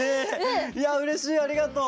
いやうれしいありがとう。